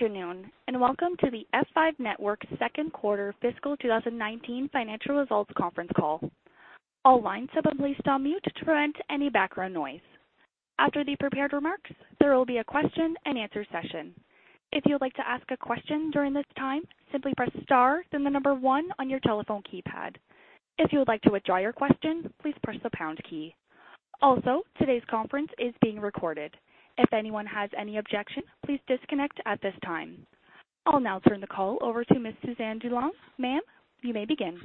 Afternoon, and welcome to the F5 Networks second quarter fiscal 2019 financial results conference call. All lines have been placed on mute to prevent any background noise. After the prepared remarks, there will be a question-and-answer session. Also, today's conference is being recorded. If anyone has any objections, please disconnect at this time. I'll now turn the call over to Ms. Suzanne DuLong. Ma'am, you may begin.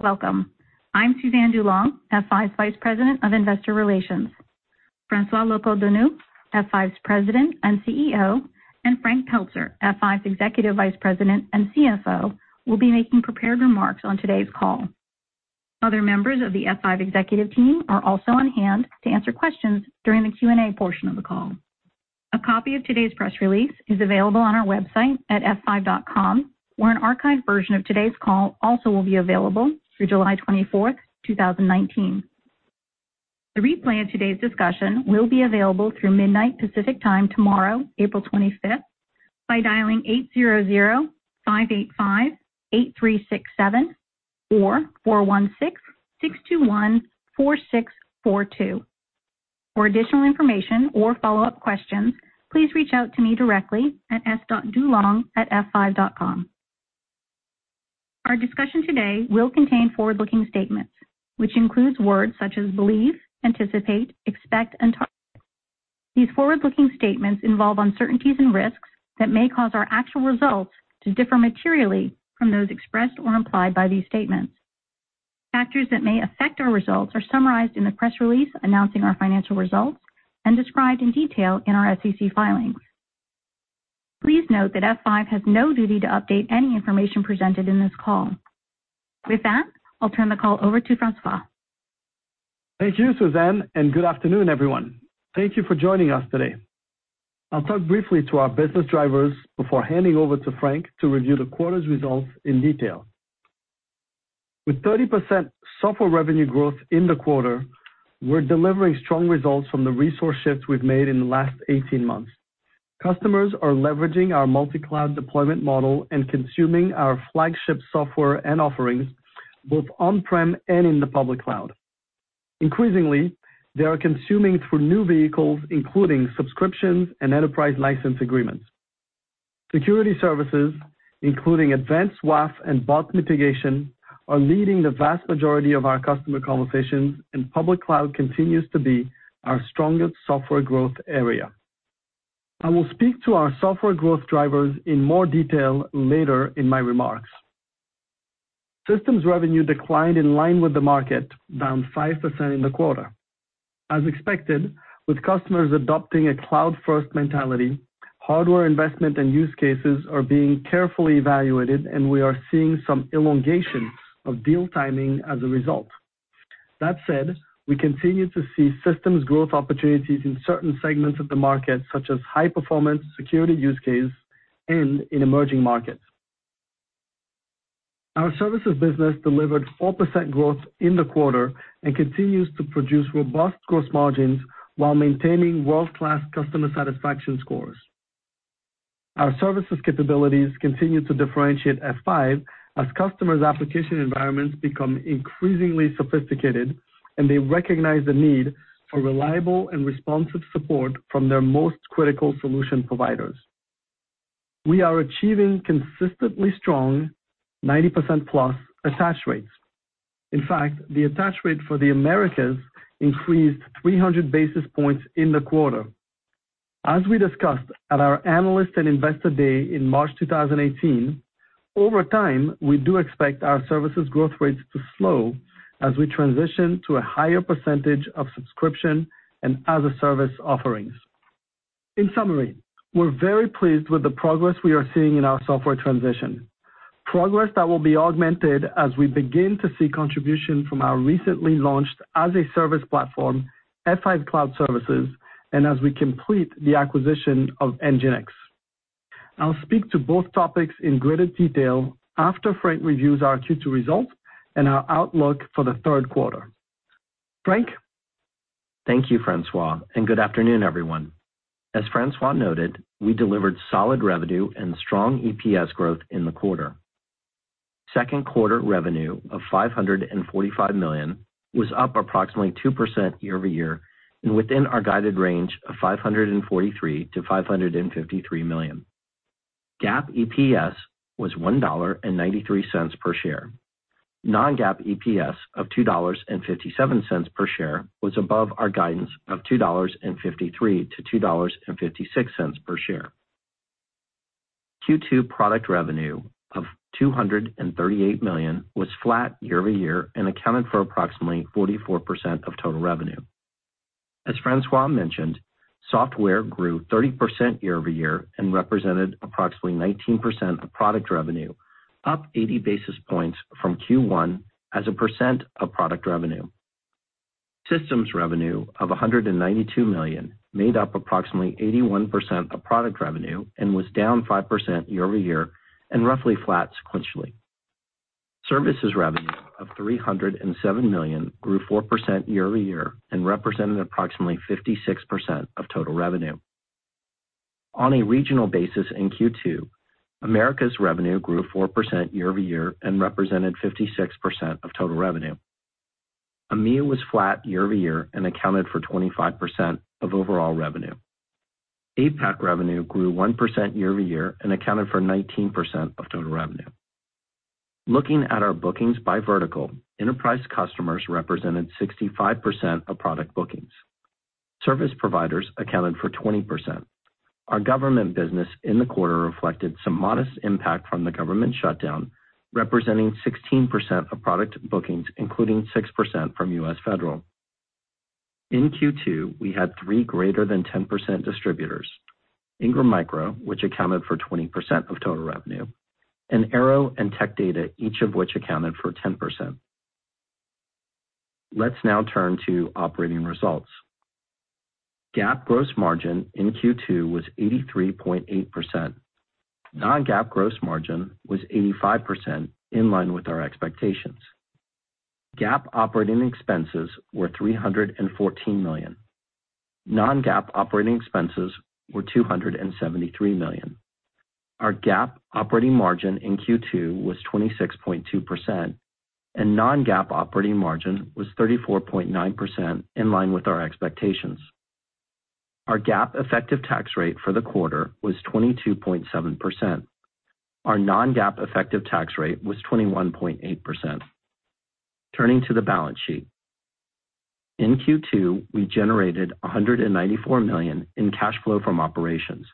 Welcome. I'm Suzanne DuLong, F5's Vice President of Investor Relations. François Locoh-Donou, F5's President and CEO, and Frank Pelzer, F5 Executive Vice President and CFO, will be making prepared remarks on today's call. Other members of the F5 executive team are also on hand to answer questions during the Q&A portion of the call. A copy of today's press release is available on our website at f5.com, where an archived version of today's call also will be available through July 24, 2019. The replay of today's discussion will be available through midnight Pacific Time tomorrow, April 25, by dialing 800-585-8367 or 416-621-4642. For additional information or follow-up questions, please reach out to me directly at s.dulong@f5.com. Our discussion today will contain forward-looking statements, which includes words such as believe, anticipate, expect, and target. These forward-looking statements involve uncertainties and risks that may cause our actual results to differ materially from those expressed or implied by these statements. Factors that may affect our results are summarized in the press release announcing our financial results and described in detail in our SEC filings. Please note that F5 has no duty to update any information presented in this call. With that, I'll turn the call over to François. Thank you, Suzanne, and good afternoon, everyone. Thank you for joining us today. I'll talk briefly to our business drivers before handing over to Frank to review the quarter's results in detail. With 30% software revenue growth in the quarter, we're delivering strong results from the resource shifts we've made in the last 18 months. Customers are leveraging our multi-cloud deployment model and consuming our flagship software and offerings both on-prem and in the public cloud. Increasingly, they are consuming through new vehicles, including subscriptions and enterprise license agreements. Security services, including Advanced WAF and bot mitigation, are leading the vast majority of our customer conversations, and public cloud continues to be our strongest software growth area. I will speak to our software growth drivers in more detail later in my remarks. Systems revenue declined in line with the market, down 5% in the quarter. As expected, with customers adopting a cloud-first mentality, hardware investment and use cases are being carefully evaluated, and we are seeing some elongation of deal timing as a result. That said, we continue to see systems growth opportunities in certain segments of the market, such as high-performance security use case and in emerging markets. Our services business delivered 4% growth in the quarter and continues to produce robust gross margins while maintaining world-class customer satisfaction scores. Our services capabilities continue to differentiate F5 as customers' application environments become increasingly sophisticated, and they recognize the need for reliable and responsive support from their most critical solution providers. We are achieving consistently strong 90%-plus attach rates. In fact, the attach rate for the Americas increased 300 basis points in the quarter. As we discussed at our Analyst and Investor Day in March 2018, over time, we do expect our services growth rates to slow as we transition to a higher percentage of subscription and as-a-service offerings. In summary, we're very pleased with the progress we are seeing in our software transition. Progress that will be augmented as we begin to see contribution from our recently launched as-a-service platform, F5 Cloud Services, and as we complete the acquisition of NGINX. I'll speak to both topics in greater detail after Frank reviews our Q2 results and our outlook for the third quarter. Frank? Thank you, François, and good afternoon, everyone. As François noted, we delivered solid revenue and strong EPS growth in the quarter. Second quarter revenue of $545 million was up approximately 2% year-over-year and within our guided range of $543 million-$553 million. GAAP EPS was $1.93 per share. Non-GAAP EPS of $2.57 per share was above our guidance of $2.53-$2.56 per share. Q2 product revenue of $238 million was flat year-over-year and accounted for approximately 44% of total revenue. As François mentioned, software grew 30% year-over-year and represented approximately 19% of product revenue, up 80 basis points from Q1 as a percent of product revenue. Systems revenue of $192 million made up approximately 81% of product revenue and was down 5% year-over-year and roughly flat sequentially. Services revenue of $307 million grew 4% year-over-year and represented approximately 56% of total revenue. On a regional basis in Q2, Americas revenue grew 4% year-over-year and represented 56% of total revenue. EMEA was flat year-over-year and accounted for 25% of overall revenue. APAC revenue grew 1% year-over-year and accounted for 19% of total revenue. Looking at our bookings by vertical, enterprise customers represented 65% of product bookings. Service providers accounted for 20%. Our government business in the quarter reflected some modest impact from the government shutdown, representing 16% of product bookings, including 6% from U.S. federal. In Q2, we had 3 greater than 10% distributors, Ingram Micro, which accounted for 20% of total revenue, and Arrow and Tech Data, each of which accounted for 10%. Let's now turn to operating results. GAAP gross margin in Q2 was 83.8%. Non-GAAP gross margin was 85%, in line with our expectations. GAAP operating expenses were $314 million. Non-GAAP operating expenses were $273 million. Our GAAP operating margin in Q2 was 26.2%, and Non-GAAP operating margin was 34.9%, in line with our expectations. Our GAAP effective tax rate for the quarter was 22.7%. Our Non-GAAP effective tax rate was 21.8%. Turning to the balance sheet. In Q2, we generated $194 million in cash flow from operations,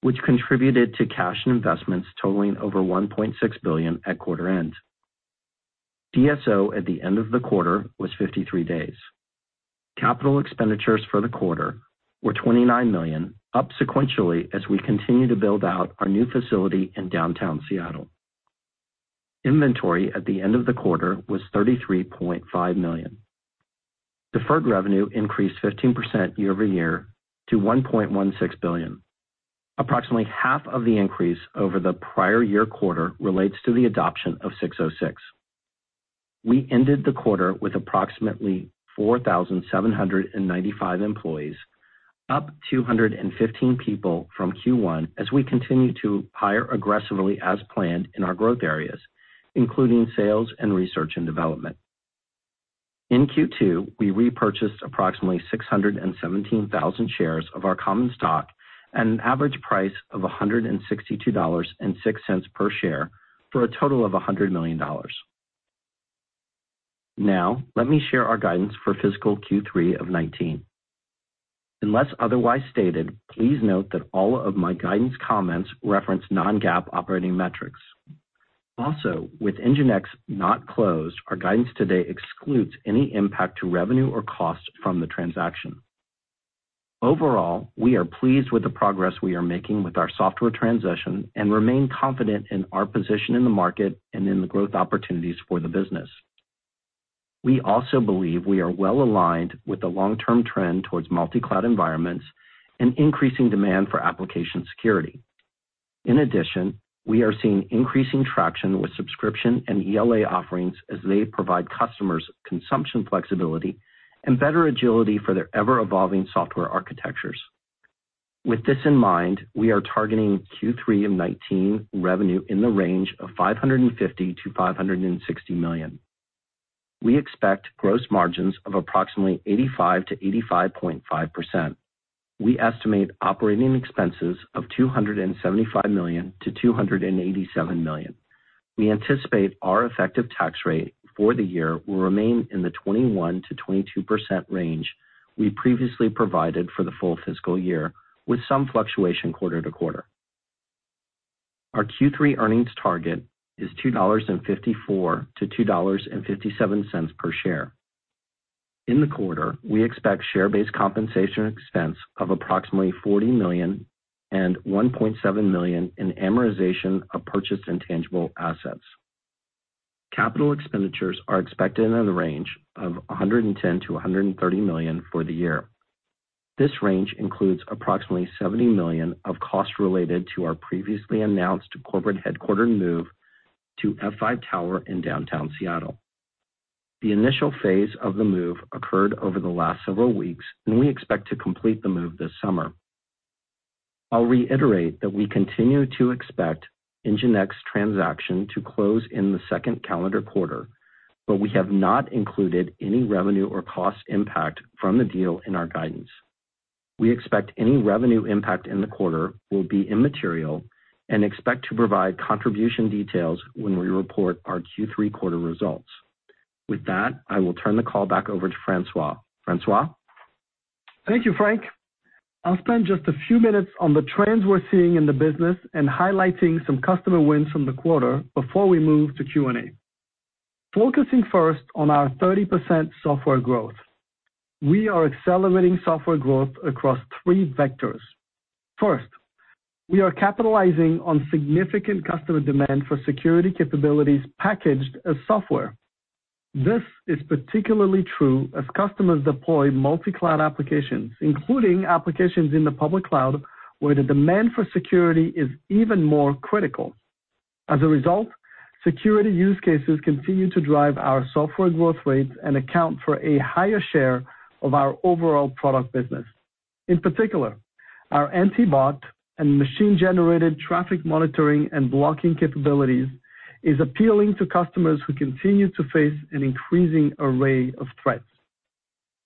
which contributed to cash and investments totaling over $1.6 billion at quarter end. DSO at the end of the quarter was 53 days. Capital expenditures for the quarter were $29 million, up sequentially as we continue to build out our new facility in downtown Seattle. Inventory at the end of the quarter was $33.5 million. Deferred revenue increased 15% year-over-year to $1.16 billion. Approximately half of the increase over the prior year quarter relates to the adoption of ASC 606. We ended the quarter with approximately 4,795 employees, up 215 people from Q1 as we continue to hire aggressively as planned in our growth areas, including sales and research and development. In Q2, we repurchased approximately 617,000 shares of our common stock at an average price of $162.06 per share for a total of $100 million. Let me share our guidance for fiscal Q3 of 2019. Unless otherwise stated, please note that all of my guidance comments reference Non-GAAP operating metrics. With NGINX not closed, our guidance today excludes any impact to revenue or cost from the transaction. We are pleased with the progress we are making with our software transition and remain confident in our position in the market and in the growth opportunities for the business. We also believe we are well-aligned with the long-term trend towards multi-cloud environments and increasing demand for application security. In addition, we are seeing increasing traction with subscription and ELA offerings as they provide customers consumption flexibility and better agility for their ever-evolving software architectures. With this in mind, we are targeting Q3 of 2019 revenue in the range of $550 million-$560 million. We expect gross margins of approximately 85%-85.5%. We estimate operating expenses of $275 million-$287 million. We anticipate our effective tax rate for the year will remain in the 21%-22% range we previously provided for the full fiscal year, with some fluctuation quarter to quarter. Our Q3 earnings target is $2.54-$2.57 per share. In the quarter, we expect share-based compensation expense of approximately $40 million and $1.7 million in amortization of purchased intangible assets. Capital expenditures are expected in a range of $110 million-$130 million for the year. This range includes approximately $70 million of costs related to our previously announced corporate headquarter move to F5 Tower in downtown Seattle. The initial phase of the move occurred over the last several weeks, we expect to complete the move this summer. I'll reiterate that we continue to expect NGINX transaction to close in the second calendar quarter, we have not included any revenue or cost impact from the deal in our guidance. We expect any revenue impact in the quarter will be immaterial, expect to provide contribution details when we report our Q3 quarter results. With that, I will turn the call back over to François. François? Thank you, Frank. I'll spend just a few minutes on the trends we're seeing in the business and highlighting some customer wins from the quarter before we move to Q&A. Focusing first on our 30% software growth. We are accelerating software growth across three vectors. First, we are capitalizing on significant customer demand for security capabilities packaged as software. This is particularly true as customers deploy multi-cloud applications, including applications in the public cloud, where the demand for security is even more critical. As a result, security use cases continue to drive our software growth rates and account for a higher share of our overall product business. In particular, our anti-bot and machine-generated traffic monitoring and blocking capabilities is appealing to customers who continue to face an increasing array of threats.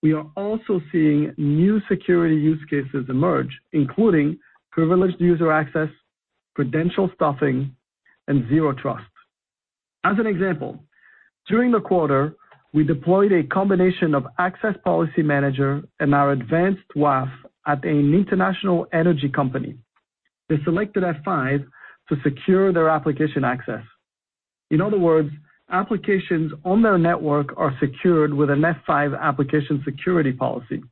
We are also seeing new security use cases emerge, including privileged user access, credential stuffing, and zero trust. As an example, during the quarter, we deployed a combination of Access Policy Manager and our Advanced WAF at an international energy company. They selected F5 to secure their application access. In other words, applications on their network are secured with an F5 application security policy.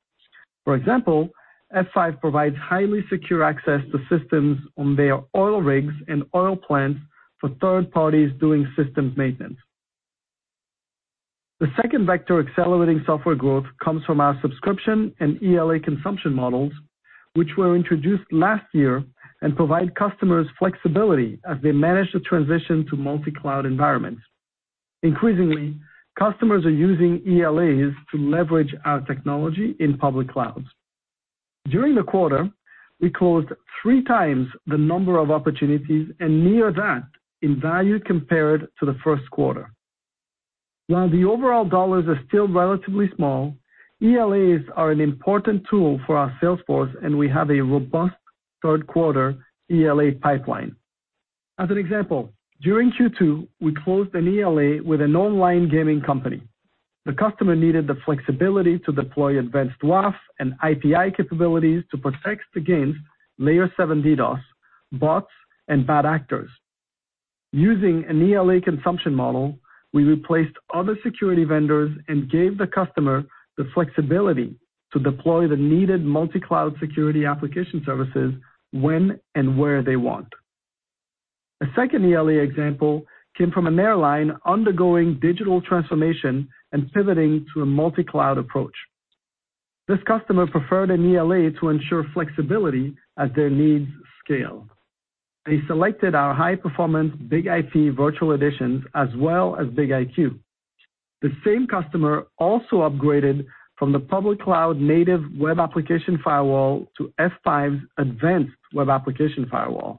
For example, F5 provides highly secure access to systems on their oil rigs and oil plants for third parties doing systems maintenance. The second vector accelerating software growth comes from our subscription and ELA consumption models, which were introduced last year and provide customers flexibility as they manage the transition to multi-cloud environments. Increasingly, customers are using ELAs to leverage our technology in public clouds. During the quarter, we closed 3 times the number of opportunities and near that in value compared to the 1st quarter. While the overall dollars are still relatively small, ELAs are an important tool for our sales force, and we have a robust 3rd quarter ELA pipeline. As an example, during Q2, we closed an ELA with an online gaming company. The customer needed the flexibility to deploy Advanced WAF and IPI capabilities to protect against layer 7 DDoS, bots, and bad actors. Using an ELA consumption model, we replaced other security vendors and gave the customer the flexibility to deploy the needed multi-cloud security application services when and where they want. A second ELA example came from an airline undergoing digital transformation and pivoting to a multi-cloud approach. This customer preferred an ELA to ensure flexibility as their needs scale. They selected our high-performance BIG-IP Virtual Editions as well as BIG-IQ. The same customer also upgraded from the public cloud native web application firewall to F5's Advanced WAF.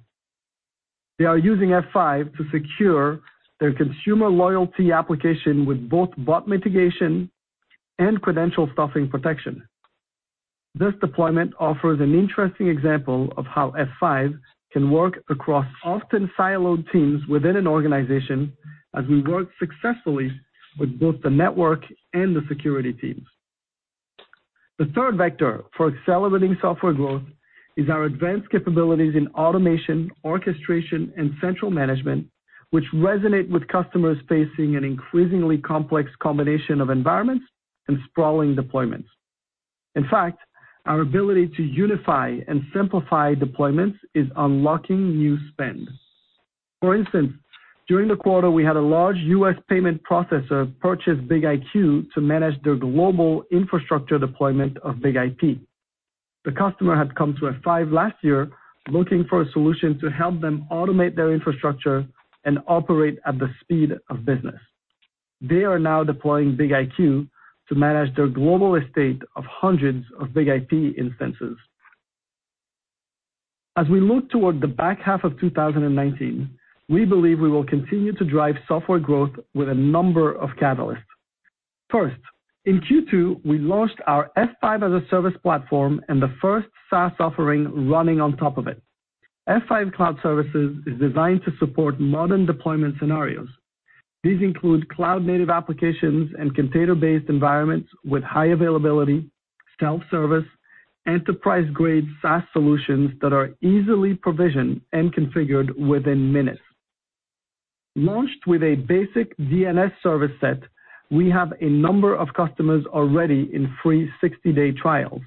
They are using F5 to secure their consumer loyalty application with both bot mitigation and credential stuffing protection. This deployment offers an interesting example of how F5 can work across often siloed teams within an organization as we work successfully with both the network and the security teams. The third vector for accelerating software growth is our advanced capabilities in automation, orchestration, and central management, which resonate with customers facing an increasingly complex combination of environments and sprawling deployments. In fact, our ability to unify and simplify deployments is unlocking new spend. For instance, during the quarter, we had a large U.S. payment processor purchase BIG-IQ to manage their global infrastructure deployment of BIG-IP. The customer had come to F5 last year looking for a solution to help them automate their infrastructure and operate at the speed of business. They are now deploying BIG-IQ to manage their global estate of hundreds of BIG-IP instances. As we look toward the back half of 2019, we believe we will continue to drive software growth with a number of catalysts. First, in Q2, we launched our F5 as a service platform and the first SaaS offering running on top of it. F5 Cloud Services is designed to support modern deployment scenarios. These include cloud-native applications and container-based environments with high availability, self-service, enterprise-grade SaaS solutions that are easily provisioned and configured within minutes. Launched with a basic DNS service set, we have a number of customers already in free 60-day trials.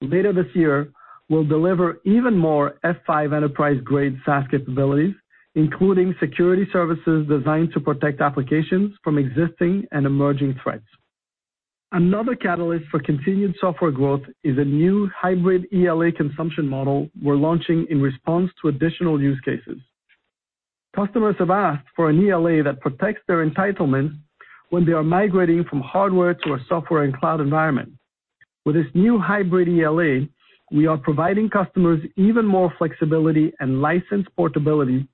Later this year, we'll deliver even more F5 enterprise-grade SaaS capabilities, including security services designed to protect applications from existing and emerging threats. Another catalyst for continued software growth is a new hybrid ELA consumption model we're launching in response to additional use cases. Customers have asked for an ELA that protects their entitlement when they are migrating from hardware to a software and cloud environment. With this new hybrid ELA, we are providing customers even more flexibility and license portability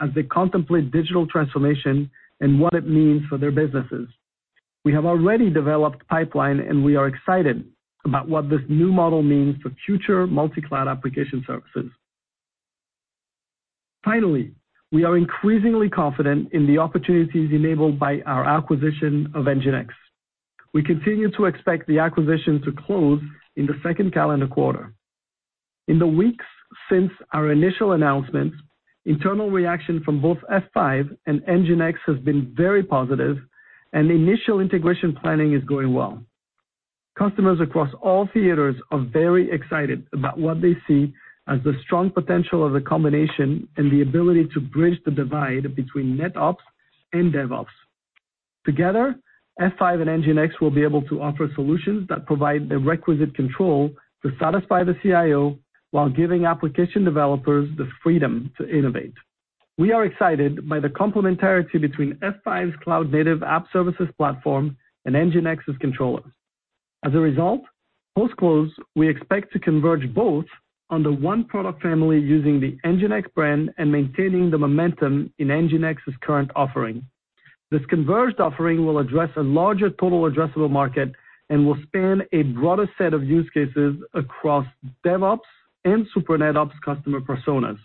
as they contemplate digital transformation and what it means for their businesses. We have already developed pipeline, and we are excited about what this new model means for future multi-cloud application services. Finally, we are increasingly confident in the opportunities enabled by our acquisition of NGINX. We continue to expect the acquisition to close in the second calendar quarter. In the weeks since our initial announcement, internal reaction from both F5 and NGINX has been very positive, and initial integration planning is going well. Customers across all theaters are very excited about what they see as the strong potential of the combination and the ability to bridge the divide between NetOps and DevOps. Together, F5 and NGINX will be able to offer solutions that provide the requisite control to satisfy the CIO while giving application developers the freedom to innovate. We are excited by the complementarity between F5 Cloud-Native App Services platform and NGINX's controller. As a result, post-close, we expect to converge both under one product family using the NGINX brand and maintaining the momentum in NGINX's current offering. This converged offering will address a larger total addressable market and will span a broader set of use cases across DevOps and Super-NetOps customer personas.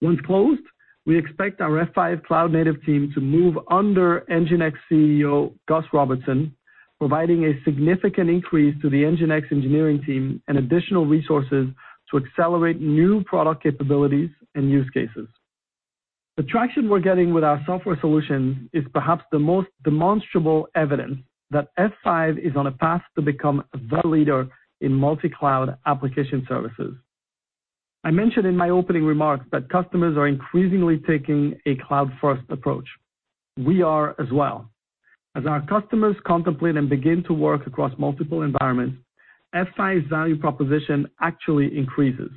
Once closed, we expect our F5 Cloud-Native team to move under NGINX CEO Gus Robertson, providing a significant increase to the NGINX engineering team and additional resources to accelerate new product capabilities and use cases. The traction we're getting with our software solutions is perhaps the most demonstrable evidence that F5 is on a path to become the leader in multi-cloud application services. I mentioned in my opening remarks that customers are increasingly taking a cloud-first approach. We are as well. As our customers contemplate and begin to work across multiple environments, F5's value proposition actually increases.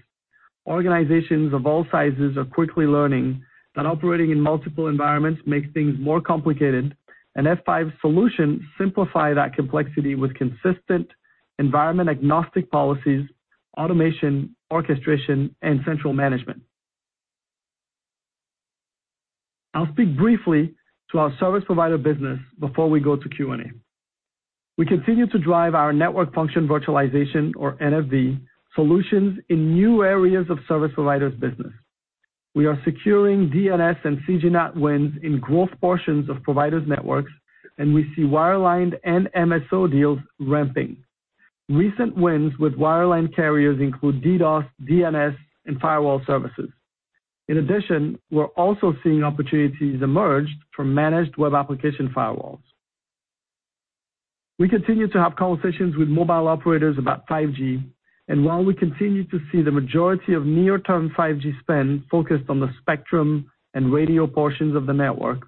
Organizations of all sizes are quickly learning that operating in multiple environments makes things more complicated, and F5 solutions simplify that complexity with consistent environment-agnostic policies, automation, orchestration, and central management. I'll speak briefly to our service provider business before we go to Q&A. We continue to drive our Network Functions Virtualization or NFV solutions in new areas of service providers business. We are securing DNS and CGNAT wins in growth portions of providers' networks, and we see wireline and MSO deals ramping. Recent wins with wireline carriers include DDoS, DNS, and firewall services. In addition, we're also seeing opportunities emerge for managed web application firewalls. We continue to have conversations with mobile operators about 5G, and while we continue to see the majority of near-term 5G spend focused on the spectrum and radio portions of the network,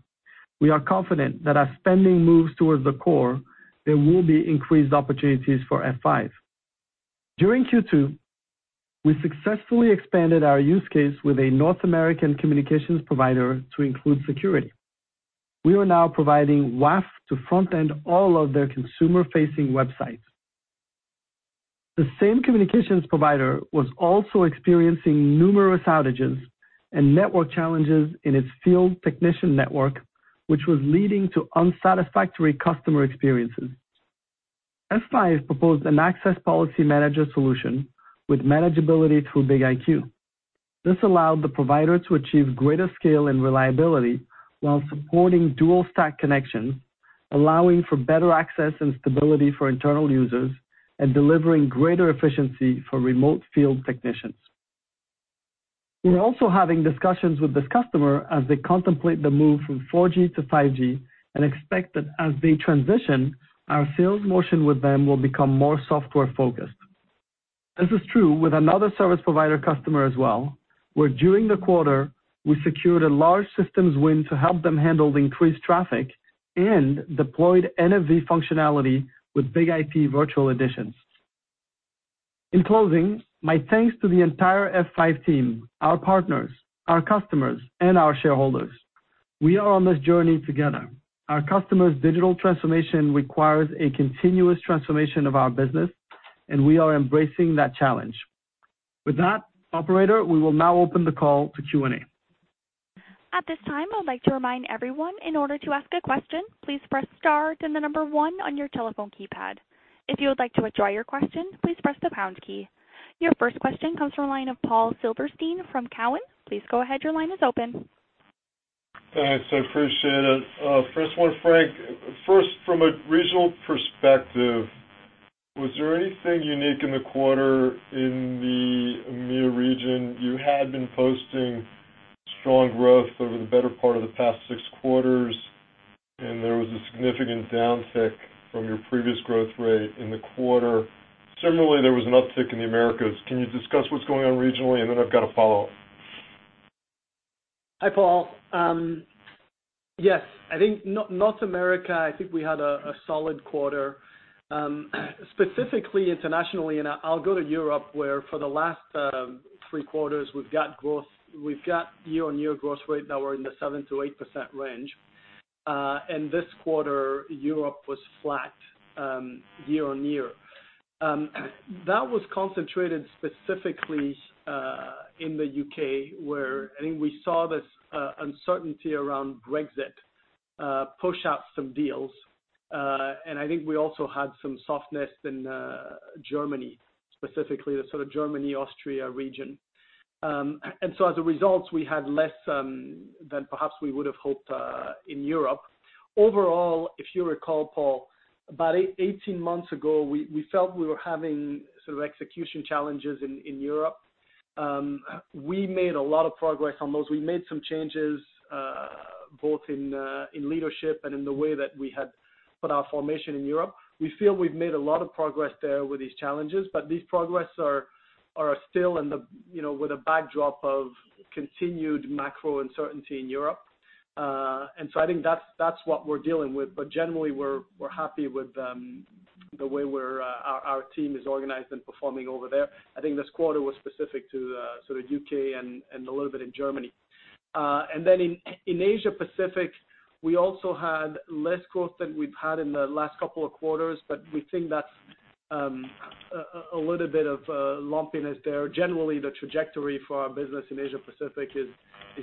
we are confident that as spending moves towards the core, there will be increased opportunities for F5. During Q2, we successfully expanded our use case with a North American communications provider to include security. We are now providing WAF to front end all of their consumer-facing websites. The same communications provider was also experiencing numerous outages and network challenges in its field technician network, which was leading to unsatisfactory customer experiences. F5 proposed an Access Policy Manager solution with manageability through BIG-IQ. This allowed the provider to achieve greater scale and reliability while supporting dual-stack connections, allowing for better access and stability for internal users and delivering greater efficiency for remote field technicians. We're also having discussions with this customer as they contemplate the move from 4G to 5G and expect that as they transition, our sales motion with them will become more software-focused. This is true with another service provider customer as well, where during the quarter, we secured a large systems win to help them handle the increased traffic and deployed NFV functionality with BIG-IP Virtual Editions. In closing, my thanks to the entire F5 team, our partners, our customers, and our shareholders. We are on this journey together. Our customers' digital transformation requires a continuous transformation of our business, and we are embracing that challenge. With that, operator, we will now open the call to Q&A. Your first question comes from the line of Paul Silverstein from Cowen. Please go ahead. Your line is open. Thanks. I appreciate it. First one, Frank. First, from a regional perspective, was there anything unique in the quarter in the EMEA region? You had been posting strong growth over the better part of the past six quarters, and there was a significant downtick from your previous growth rate in the quarter. Similarly, there was an uptick in the Americas. Can you discuss what's going on regionally? Then I've got a follow-up. Hi, Paul. Yes, I think North America, I think we had a solid quarter. Specifically internationally, I'll go to Europe, where for the last 3 quarters we've got year-over-year growth rate that were in the 7%-8% range. This quarter, Europe was flat, year-over-year. That was concentrated specifically in the U.K., where I think we saw this uncertainty around Brexit push out some deals. I think we also had some softness in Germany, specifically the sort of Germany, Austria region. As a result, we had less than perhaps we would have hoped in Europe. Overall, if you recall, Paul, about 18 months ago, we felt we were having sort of execution challenges in Europe. We made a lot of progress on those. We made some changes, both in leadership and in the way that we had put our formation in Europe. We feel we've made a lot of progress there with these challenges, but these progress are still in the, you know, with a backdrop of continued macro uncertainty in Europe. I think that's what we're dealing with. Generally, we're happy with the way our team is organized and performing over there. I think this quarter was specific to sort of U.K. and a little bit in Germany. In Asia Pacific, we also had less growth than we've had in the last couple of quarters, but we think that's a little bit of lumpiness there. Generally, the trajectory for our business in Asia Pacific is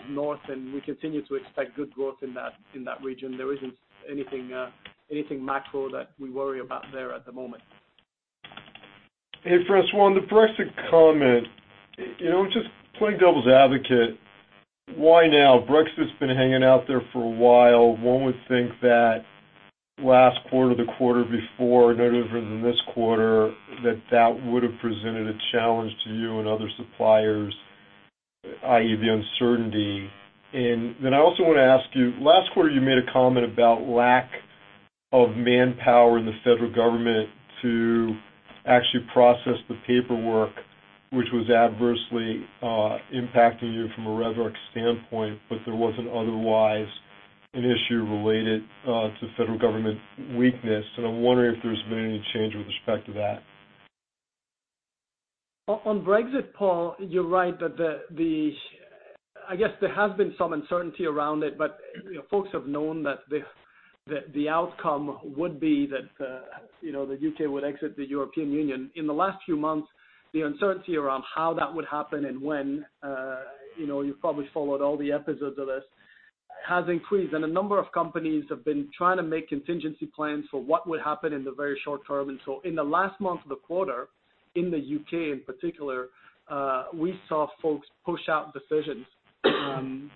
north, and we continue to expect good growth in that region. There isn't anything macro that we worry about there at the moment. Hey, François, the Brexit comment. You know, just playing devil's advocate, why now? Brexit's been hanging out there for a while. One would think that last quarter, the quarter before, no different than this quarter, that that would have presented a challenge to you and other suppliers, i.e., the uncertainty. I also wanna ask you, last quarter, you made a comment about lack of manpower in the federal government to actually process the paperwork, which was adversely impacting you from a Rev rec standpoint, but there wasn't otherwise an issue related to federal government weakness. I'm wondering if there's been any change with respect to that. Brexit, Paul, you're right that I guess there has been some uncertainty around it, but, you know, folks have known that the outcome would be that, you know, the U.K. would exit the European Union. In the last few months, the uncertainty around how that would happen and when, you know, you probably followed all the episodes of this has increased. A number of companies have been trying to make contingency plans for what would happen in the very short term. In the last month of the quarter, in the U.K. in particular, we saw folks push out decisions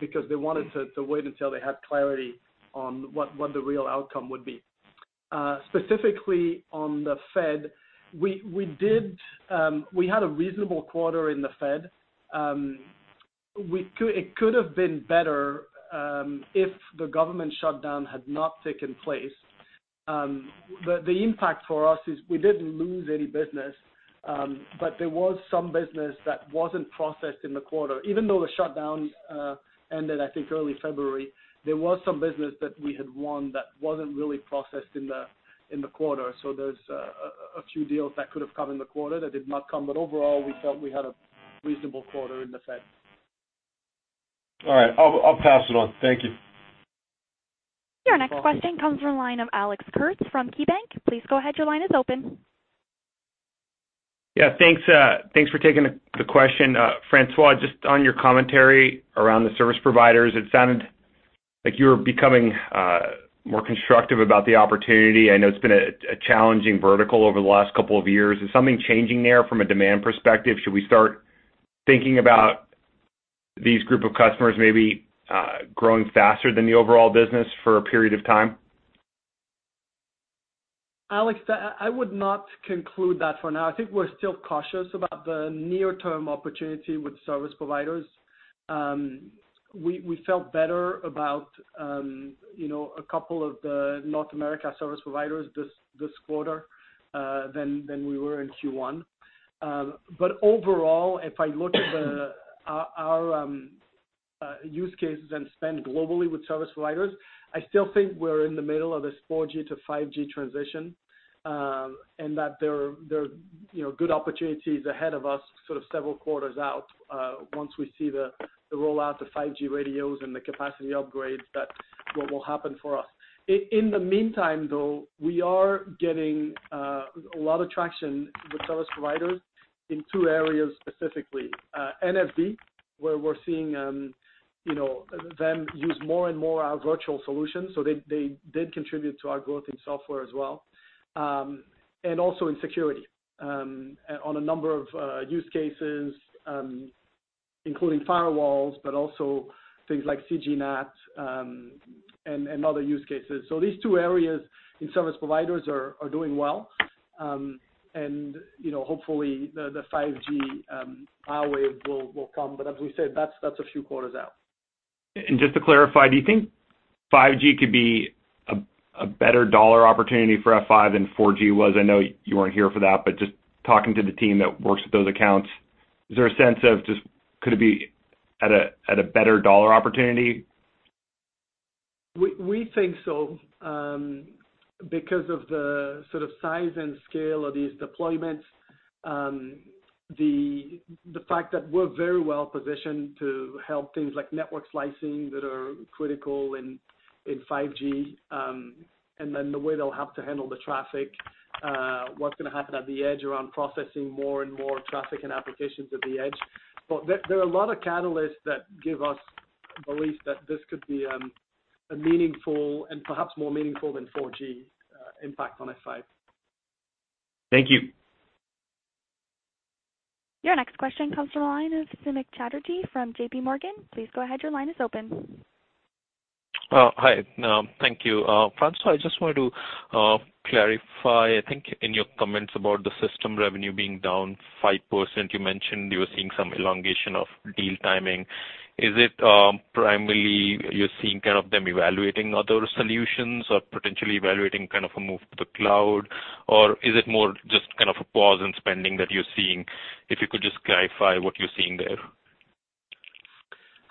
because they wanted to wait until they had clarity on what the real outcome would be. Specifically on the Fed, we did have a reasonable quarter in the Fed. It could have been better if the government shutdown had not taken place. The impact for us is we didn't lose any business. There was some business that wasn't processed in the quarter. The shutdown ended, I think, early February. There was some business that we had won that wasn't really processed in the quarter. There's a few deals that could have come in the quarter that did not come. Overall, we felt we had a reasonable quarter in the Fed. All right. I'll pass it on. Thank you. Your next question comes from the line of Alex Kurtz from KeyBank. Please go ahead, your line is open. Thanks, thanks for taking the question. François, just on your commentary around the service providers, it sounded like you were becoming more constructive about the opportunity. I know it's been a challenging vertical over the last couple of years. Is something changing there from a demand perspective? Should we start thinking about these group of customers maybe growing faster than the overall business for a period of time? Alex, I would not conclude that for now. I think we're still cautious about the near-term opportunity with service providers. We felt better about, you know, a couple of the North America service providers this quarter than we were in Q1. Overall, if I look at our use cases and spend globally with service providers, I still think we're in the middle of this 4G to 5G transition, and that there are, you know, good opportunities ahead of us sort of several quarters out once we see the rollout of 5G radios and the capacity upgrades that will happen for us. In the meantime, though, we are getting a lot of traction with service providers in two areas, specifically, NFV, where we're seeing, you know, them use more and more our virtual solutions, so they did contribute to our growth in software as well. Also in security, on a number of use cases, including firewalls, but also things like CGNAT, and other use cases. These two areas in service providers are doing well. You know, hopefully the 5G power wave will come. As we said, that's a few quarters out. Just to clarify, do you think 5G could be a better dollar opportunity for F5 than 4G was? I know you weren't here for that, but just talking to the team that works with those accounts, is there a sense of just could it be at a better dollar opportunity? We think so, because of the sort of size and scale of these deployments, the fact that we're very well positioned to help things like network slicing that are critical in 5G, and then the way they'll have to handle the traffic, what's gonna happen at the edge around processing more and more traffic and applications at the edge. There are a lot of catalysts that give us belief that this could be a meaningful and perhaps more meaningful than 4G impact on F5. Thank you. Your next question comes from the line of Samik Chatterjee from JPMorgan. Please go ahead, your line is open. Hi. Thank you. François, I just wanted to clarify, I think in your comments about the system revenue being down 5%, you mentioned you were seeing some elongation of deal timing. Is it primarily you're seeing kind of them evaluating other solutions or potentially evaluating kind of a move to the cloud? Is it more just kind of a pause in spending that you're seeing? If you could just clarify what you're seeing there.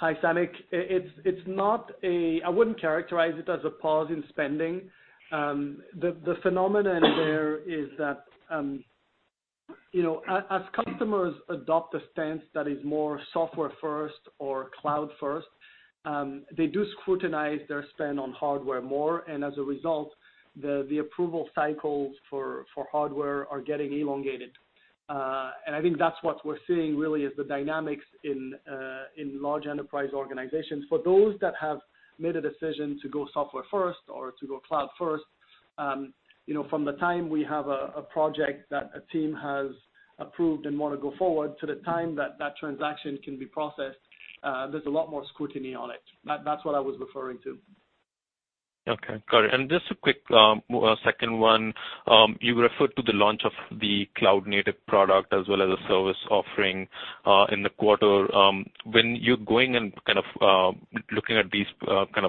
Hi, Samik. It's not a pause in spending. The phenomenon there is that, you know, as customers adopt a stance that is more software first or cloud first, they do scrutinize their spend on hardware more, and as a result, the approval cycles for hardware are getting elongated. I think that's what we're seeing really is the dynamics in large enterprise organizations. For those that have made a decision to go software first or to go cloud first, you know, from the time we have a project that a team has approved and wanna go forward to the time that that transaction can be processed, there's a lot more scrutiny on it. That's what I was referring to. Okay. Got it. Just a quick second one. You referred to the launch of the cloud-native product as well as a service offering in the quarter. When you're going and kind of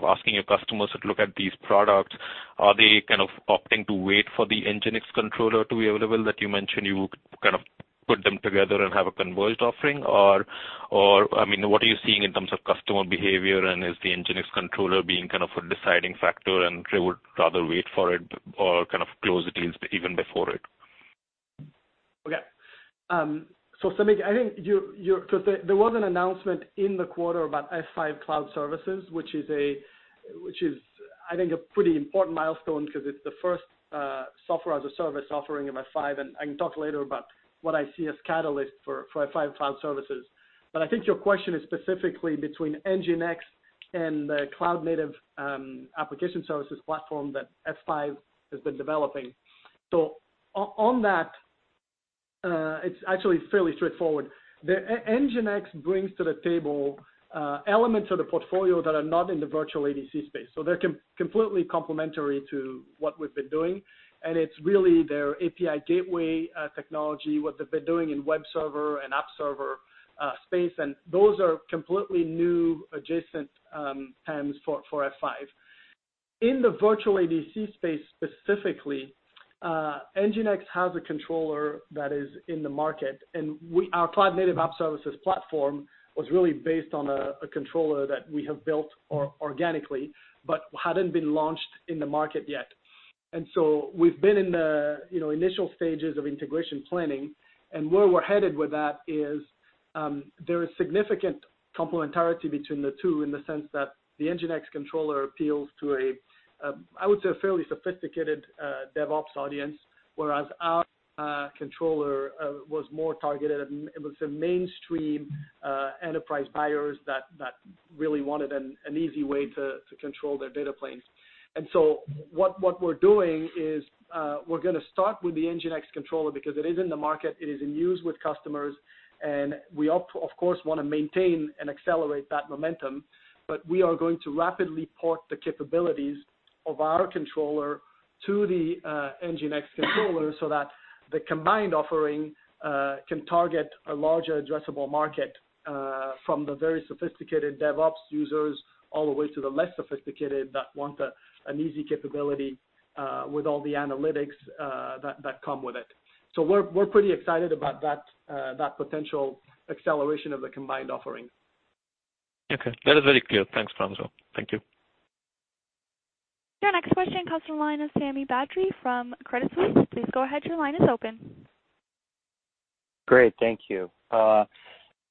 asking your customers to look at these products, are they kind of opting to wait for the NGINX controller to be available that you mentioned you would kind of put them together and have a converged offering? I mean, what are you seeing in terms of customer behavior, and is the NGINX controller being kind of a deciding factor and they would rather wait for it or kind of close the deals even before it? Samik, I think you're there was an announcement in the quarter about F5 Cloud Services, which is I think a pretty important milestone because it's the first software-as-a-service offering in F5, and I can talk later about what I see as catalyst for F5 Cloud Services. I think your question is specifically between NGINX and the F5 Cloud-Native App Services platform that F5 has been developing. On that, it's actually fairly straightforward. NGINX brings to the table elements of the portfolio that are not in the virtual ADC space, so they're completely complementary to what we've been doing. It's really their API gateway technology, what they've been doing in web server and app server space, and those are completely new adjacent TAMs for F5. In the virtual ADC space specifically, NGINX has a controller that is in the market, our Cloud-Native App Services platform was really based on a controller that we have built organically, but hadn't been launched in the market yet. We've been in the, you know, initial stages of integration planning, and where we're headed with that is, there is significant complementarity between the two in the sense that the NGINX controller appeals to a, I would say a fairly sophisticated DevOps audience, whereas our controller was more targeted at it was a mainstream enterprise buyers that really wanted an easy way to control their data planes. What we're doing is, we're gonna start with the NGINX controller because it is in the market, it is in use with customers, and we of course, wanna maintain and accelerate that momentum. We are going to rapidly port the capabilities of our controller to the NGINX controller so that the combined offering can target a larger addressable market from the very sophisticated DevOps users all the way to the less sophisticated that want an easy capability with all the analytics that come with it. We're pretty excited about that potential acceleration of the combined offering. Okay. That is very clear. Thanks, François. Thank you. Your next question comes from the line of Sami Badri from Credit Suisse. Please go ahead, your line is open. Great. Thank you.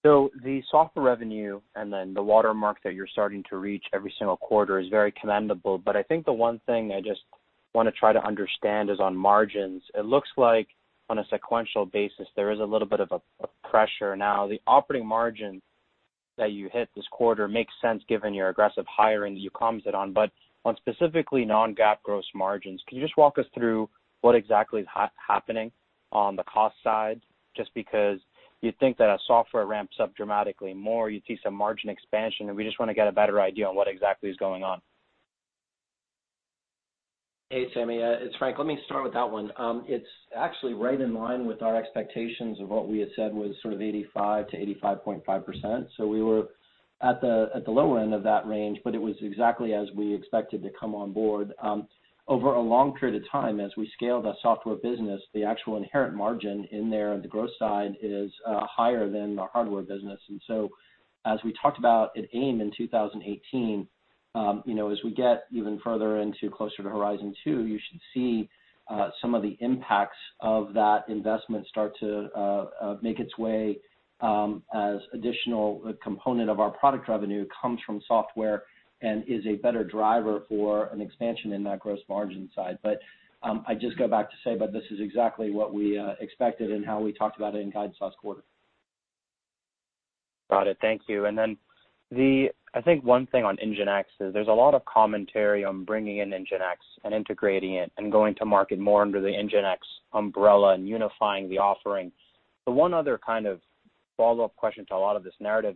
The software revenue and the watermark that you're starting to reach every single quarter is very commendable. I think the one thing I just want to try to understand is on margins. It looks like on a sequential basis, there is a little bit of a pressure. The operating margin that you hit this quarter makes sense given your aggressive hiring that you commented on. On specifically Non-GAAP gross margins, can you just walk us through what exactly is happening on the cost side? You'd think that as software ramps up dramatically more, you'd see some margin expansion. We just want to get a better idea on what exactly is going on. Hey, Sami. It's Frank. Let me start with that one. It's actually right in line with our expectations of what we had said was sort of 85%-85.5%. We were at the lower end of that range, but it was exactly as we expected to come on board. Over a long period of time, as we scale the software business, the actual inherent margin in there on the growth side is higher than the hardware business. As we talked about at Agility in 2018, you know, as we get even further into closer to horizon two, you should see some of the impacts of that investment start to make its way as additional component of our product revenue comes from software and is a better driver for an expansion in that gross margin side. I'd just go back to say that this is exactly what we expected and how we talked about it in guidance last quarter. Got it. Thank you. I think one thing on NGINX is there's a lot of commentary on bringing in NGINX and integrating it and going to market more under the NGINX umbrella and unifying the offering. One other kind of follow-up question to a lot of this narrative.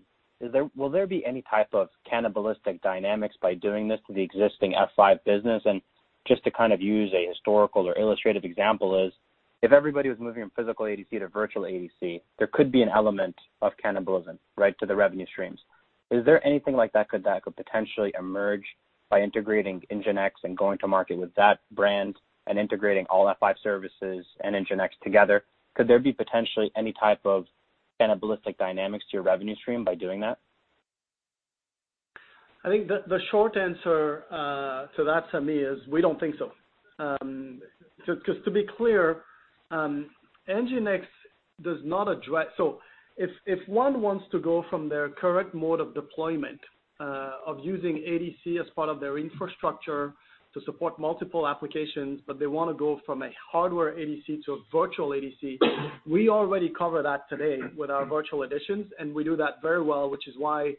Will there be any type of cannibalistic dynamics by doing this to the existing F5 business? Just to kind of use a historical or illustrated example is, if everybody was moving from physical ADC to virtual ADC, there could be an element of cannibalism, right, to the revenue streams. Is there anything like that could potentially emerge by integrating NGINX and going to market with that brand and integrating all F5 services and NGINX together? Could there be potentially any type of cannibalistic dynamics to your revenue stream by doing that? I think the short answer to that to me is we don't think so. 'Cause to be clear, if one wants to go from their current mode of deployment of using ADC as part of their infrastructure to support multiple applications, but they wanna go from a hardware ADC to a virtual ADC, we already cover that today with our Virtual Editions, and we do that very well, which is why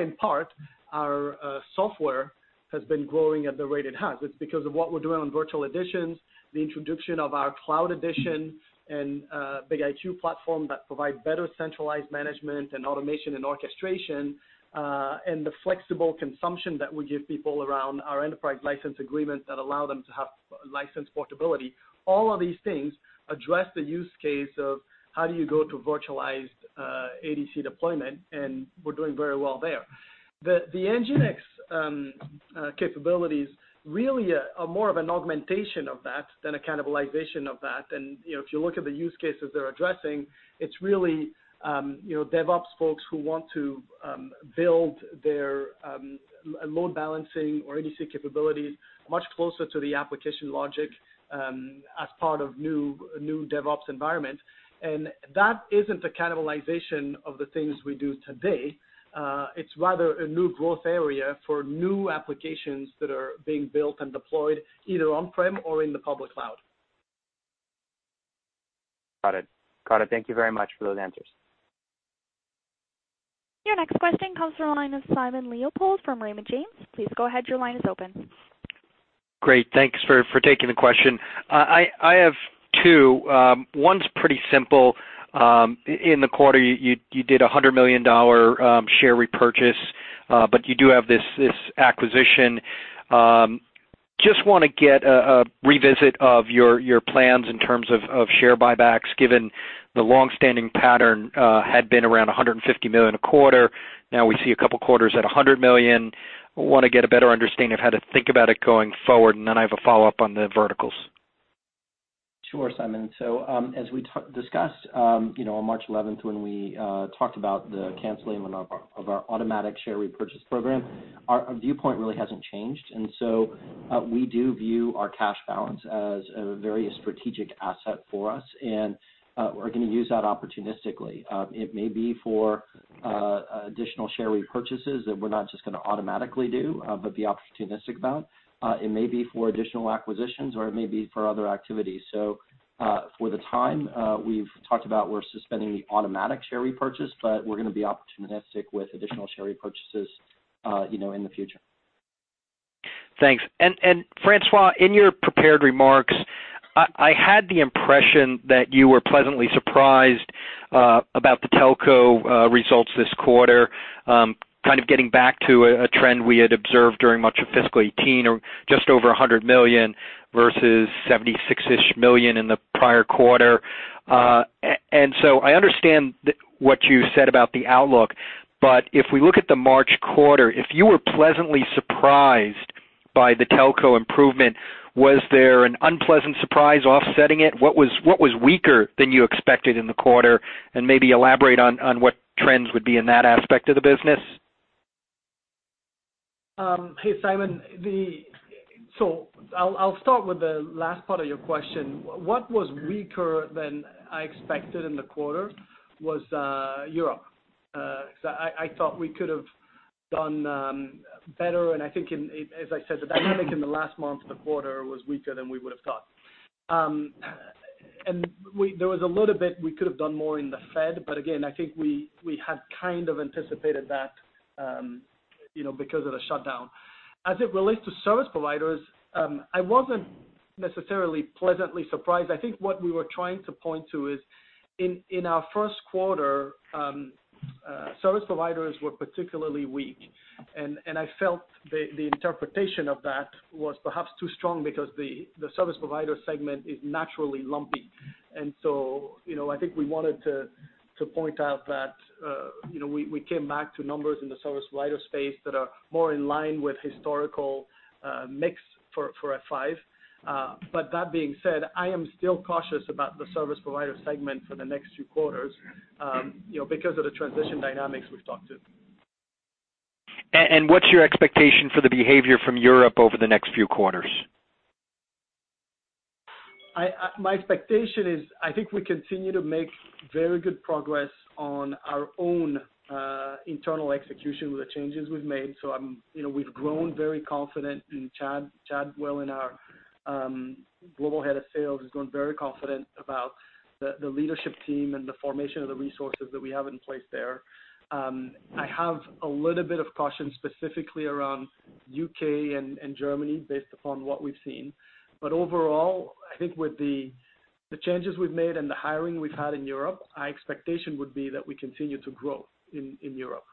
in part our software has been growing at the rate it has. It's because of what we're doing on Virtual Editions, the introduction of our Cloud Edition and BIG-IQ platform that provide better centralized management and automation and orchestration, and the flexible consumption that we give people around our enterprise license agreements that allow them to have license portability. All of these things address the use case of how do you go to virtualized ADC deployment, and we're doing very well there. The NGINX capabilities really are more of an augmentation of that than a cannibalization of that. You know, if you look at the use cases they're addressing, it's really, you know, DevOps folks who want to build their load balancing or ADC capabilities much closer to the application logic as part of new DevOps environment. That isn't a cannibalization of the things we do today. It's rather a new growth area for new applications that are being built and deployed either on-prem or in the public cloud. Got it. Thank you very much for those answers. Your next question comes from the line of Simon Leopold from Raymond James. Please go ahead, your line is open. Great. Thanks for taking the question. I have two. One's pretty simple. In the quarter you did a $100 million share repurchase, but you do have this acquisition. Just want to get a revisit of your plans in terms of share buybacks, given the longstanding pattern had been around $150 million a quarter. Now we see a couple of quarters at $100 million. I want to get a better understanding of how to think about it going forward, and then I have a follow-up on the verticals. Sure, Simon. As we discuss, you know, on March eleventh when we talked about the canceling of our automatic share repurchase program, our viewpoint really hasn't changed. We do view our cash balance as a very strategic asset for us, and we're gonna use that opportunistically. It may be for additional share repurchases that we're not just gonna automatically do, but be opportunistic about. It may be for additional acquisitions, or it may be for other activities. For the time, we've talked about we're suspending the automatic share repurchase, but we're gonna be opportunistic with additional share repurchases, you know, in the future. Thanks. François, in your prepared remarks, I had the impression that you were pleasantly surprised about the telco results this quarter. Kind of getting back to a trend we had observed during much of fiscal 2018 or just over $100 million versus $76 million in the prior quarter. I understand what you said about the outlook. If we look at the March quarter, if you were pleasantly surprised by the telco improvement, was there an unpleasant surprise offsetting it? What was weaker than you expected in the quarter? Maybe elaborate on what trends would be in that aspect of the business. Hey, Simon. I'll start with the last part of your question. What was weaker than I expected in the quarter was Europe. I thought we could have done better. I think as I said, the dynamic in the last month of the quarter was weaker than we would have thought. There was a little bit we could have done more in the Fed, but again, I think we had kind of anticipated that, you know, because of the shutdown. It relates to service providers, I wasn't necessarily pleasantly surprised. I think what we were trying to point to is in our first quarter, service providers were particularly weak. I felt the interpretation of that was perhaps too strong because the service provider segment is naturally lumpy. You know, I think we wanted to point out that, you know, we came back to numbers in the service provider space that are more in line with historical mix for F5. That being said, I am still cautious about the service provider segment for the next few quarters, you know, because of the transition dynamics we've talked to. What's your expectation for the behavior from Europe over the next few quarters? My expectation is I think we continue to make very good progress on our own internal execution with the changes we've made. You know, we've grown very confident in Chad. Chad Whalen, Global Head of Sales, has grown very confident about the leadership team and the formation of the resources that we have in place there. I have a little bit of caution specifically around U.K. and Germany based upon what we've seen. Overall, I think with the changes we've made and the hiring we've had in Europe, our expectation would be that we continue to grow in Europe.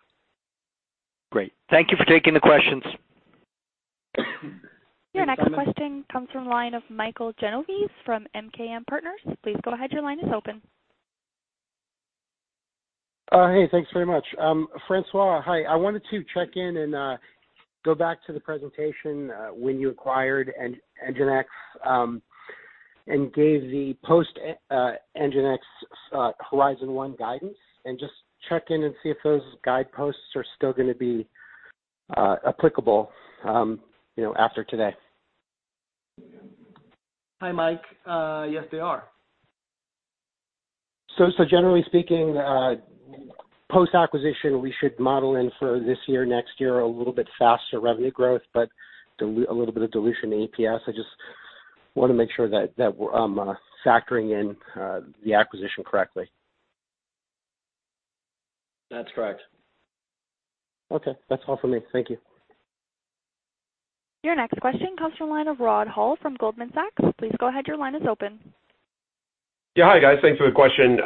Great. Thank you for taking the questions. Your next question comes from the line of Michael Genovese from MKM Partners. Please go ahead. Your line is open. Hey, thanks very much. François, hi. I wanted to check in and go back to the presentation when you acquired NGINX and gave the post NGINX Horizon 1 guidance, and just check in and see if those guideposts are still gonna be applicable, you know, after today. Hi, Mike. Yes, they are. Generally speaking, post-acquisition, we should model in for this year, next year, a little bit faster revenue growth, but a little bit of dilution in EPS. I just wanna make sure that factoring in the acquisition correctly. That's correct. Okay. That's all for me. Thank you. Your next question comes from line of Rod Hall from Goldman Sachs. Yeah. Hi, guys. Thanks for the question.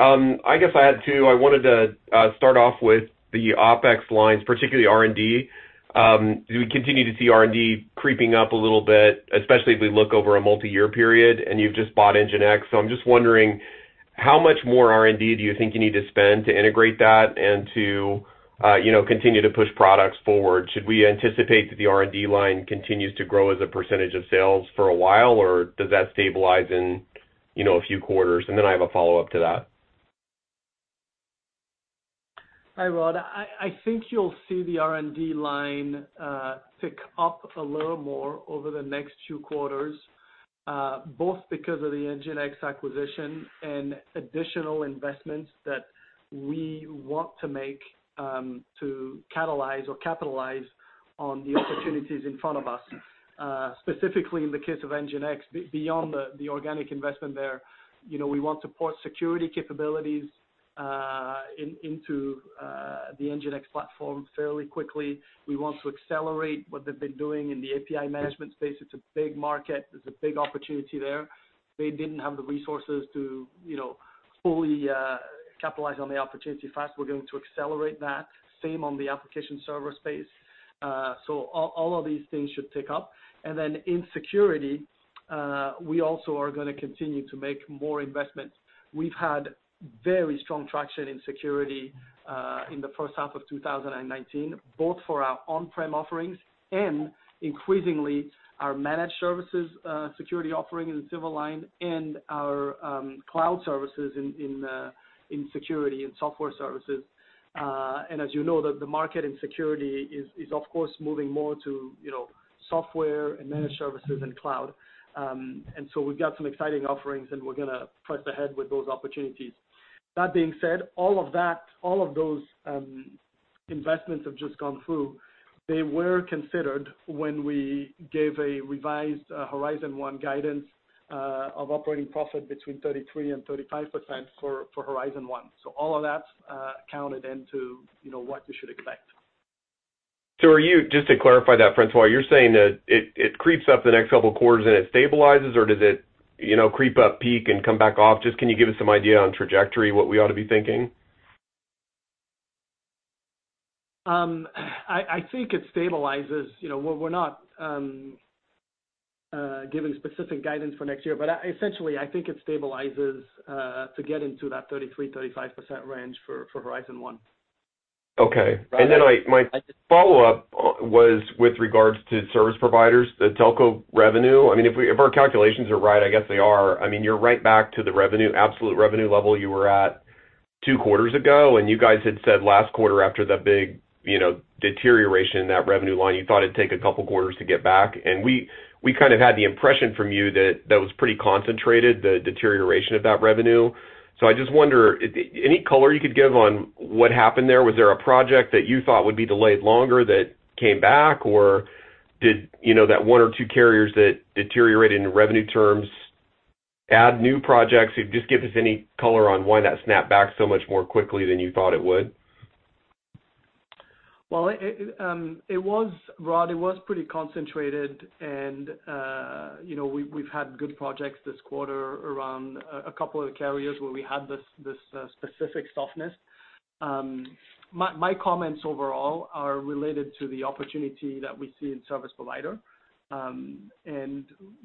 I guess I had two. I wanted to start off with the OpEx lines, particularly R&D. We continue to see R&D creeping up a little bit, especially if we look over a multi-year period, and you've just bought NGINX. I'm just wondering how much more R&D do you think you need to spend to integrate that and to, you know, continue to push products forward? Should we anticipate that the R&D line continues to grow as a % of sales for a while, or does that stabilize in, you know, a few quarters? I have a follow-up to that. Hi, Rod. I think you'll see the R&D line tick up a little more over the next few quarters, both because of the NGINX acquisition and additional investments that we want to make to catalyze or capitalize on the opportunities in front of us. Specifically in the case of NGINX, beyond the organic investment there, you know, we want to port security capabilities into the NGINX platform fairly quickly. We want to accelerate what they've been doing in the API management space. It's a big market. There's a big opportunity there. They didn't have the resources to, you know, fully capitalize on the opportunity fast. We're going to accelerate that. Same on the application server space. All of these things should tick up. In security, we also are gonna continue to make more investments. We've had very strong traction in security in the first half of 2019, both for our on-prem offerings and increasingly our managed services security offering in the Silverline and our cloud services in security and software services. As you know, the market in security is, of course, moving more to, you know, software and managed services and cloud. We've got some exciting offerings, and we're gonna press ahead with those opportunities. That being said, all of that, all of those investments have just gone through. They were considered when we gave a revised Horizon 1 guidance of operating profit between 33% and 35% for Horizon 1. All of that's counted into, you know, what you should expect. Just to clarify that, François, you're saying that it creeps up the next couple quarters, then it stabilizes, or does it, you know, creep up, peak, and come back off? Just, can you give us some idea on trajectory, what we ought to be thinking? I think it stabilizes. You know, we're not giving specific guidance for next year. Essentially, I think it stabilizes to get into that 33%-35% range for Horizon 1. Okay. Right? My follow-up was with regards to service providers, the telco revenue. I mean, if our calculations are right, I guess they are. I mean, you're right back to the revenue, absolute revenue level you were at 2 quarters ago, and you guys had said last quarter after that big, you know, deterioration in that revenue line, you thought it'd take a couple quarters to get back. We kind of had the impression from you that that was pretty concentrated, the deterioration of that revenue. I just wonder if any color you could give on what happened there? Was there a project that you thought would be delayed longer that came back, or did you know that one or two carriers that deteriorated in revenue terms add new projects? If you just give us any color on why that snapped back so much more quickly than you thought it would? Well, it was, Rod, it was pretty concentrated and, you know, we've had good projects this quarter around a couple of the carriers where we had this specific softness. My comments overall are related to the opportunity that we see in service provider. You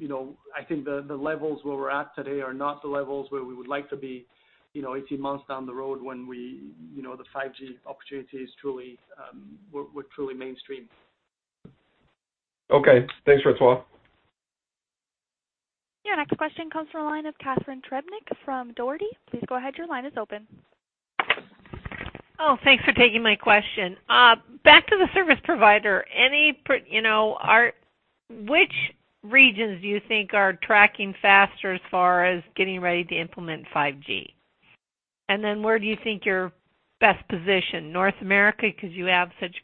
know, I think the levels where we're at today are not the levels where we would like to be, you know, 18 months down the road when the 5G opportunity is truly, we're truly mainstream. Okay. Thanks, François. Your next question comes from the line of Catharine Trebnick from Dougherty. Please go ahead. Your line is open. Oh, thanks for taking my question. Back to the service provider. You know, which regions do you think are tracking faster as far as getting ready to implement 5G? Where do you think you're best positioned? North America, 'cause you have such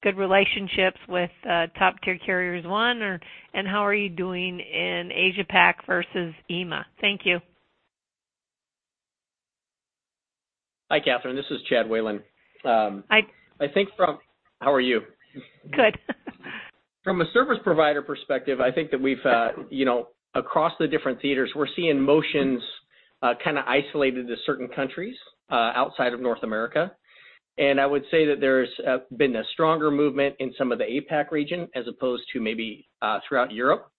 good relationships with top-tier carriers, one? How are you doing in Asia Pac versus EMEA? Thank you. Hi, Catharine. This is Chad Whalen. I- I think. How are you? Good. From a service provider perspective, I think that we've, you know, across the different theaters, we're seeing motions, kind of isolated to certain countries, outside of North America. I would say that there's been a stronger movement in some of the APAC region as opposed to maybe throughout Europe.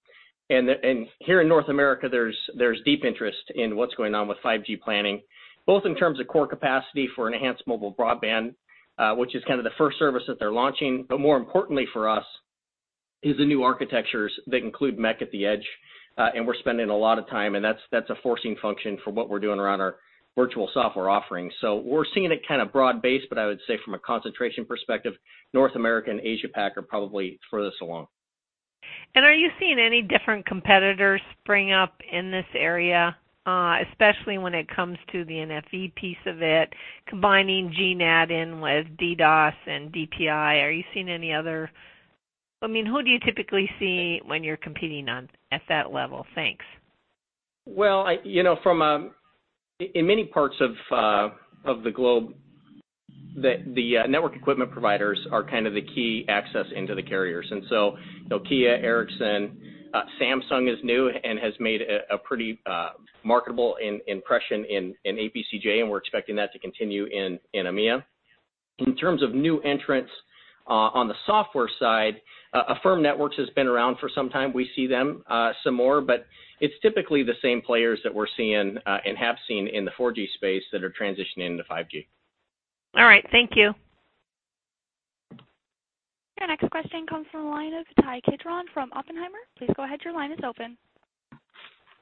Here in North America, there's deep interest in what's going on with 5G planning, both in terms of core capacity for enhanced mobile broadband, which is kind of the first service that they're launching. More importantly for us is the new architectures that include MEC at the edge. We're spending a lot of time, and that's a forcing function for what we're doing around our virtual software offerings. We're seeing it kind of broad-based, but I would say from a concentration perspective, North America and Asia Pac are probably furthest along. Are you seeing any different competitors spring up in this area, especially when it comes to the NFV piece of it, combining CGNAT in with DDoS and DPI? Are you seeing any other I mean, who do you typically see when you're competing on, at that level? Thanks. I, you know, from in many parts of the globe, the network equipment providers are kind of the key access into the carriers. Nokia, Ericsson, Samsung is new and has made a pretty marketable impression in APACJ, and we're expecting that to continue in EMEA. In terms of new entrants, on the software side, Affirmed Networks has been around for some time. We see them some more, but it's typically the same players that we're seeing and have seen in the 4G space that are transitioning to 5G. All right, thank you. Your next question comes from the line of Ittai Kidron from Oppenheimer. Please go ahead, your line is open.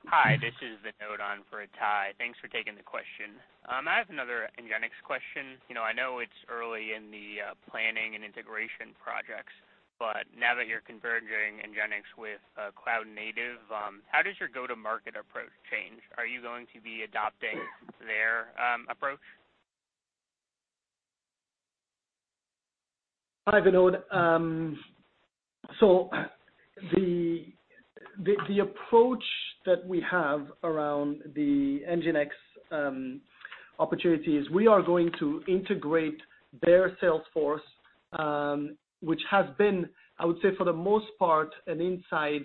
Hi, this is Vinod on for Ty. Thanks for taking the question. I have another NGINX question. You know, I know it's early in the planning and integration projects, but now that you're converging NGINX with cloud native, how does your go-to-market approach change? Are you going to be adopting their approach? Hi, Vinod. So the approach that we have around the NGINX opportunity is we are going to integrate their sales force, which has been, I would say for the most part, an inside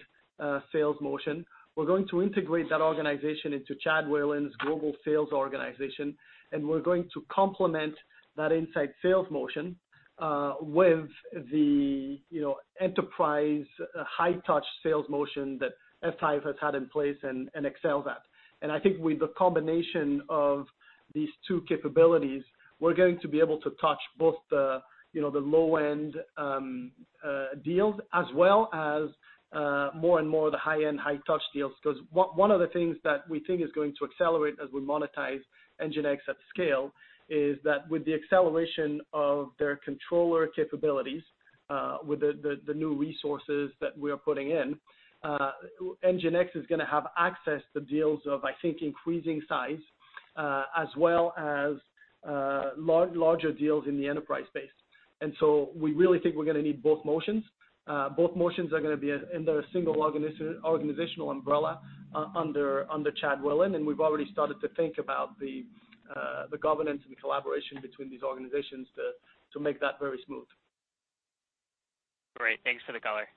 sales motion. We're going to integrate that organization into Chad Whalen's global sales organization, and we're going to complement that inside sales motion with the, you know, enterprise high touch sales motion that F5 has had in place and excels at. I think with the combination of these two capabilities, we're going to be able to touch both the, you know, the low-end deals as well as more and more of the high-end, high touch deals. One of the things that we think is going to accelerate as we monetize NGINX at scale is that with the acceleration of their controller capabilities, with the new resources that we are putting in, NGINX is gonna have access to deals of, I think, increasing size, as well as larger deals in the enterprise space. We really think we're gonna need both motions. Both motions are gonna be under a single organizational umbrella under Chad Whalen, and we've already started to think about the governance and collaboration between these organizations to make that very smooth. Great. Thanks for the color.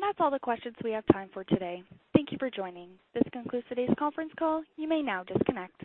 That's all the questions we have time for today. Thank you for joining. This concludes today's conference call. You may now disconnect.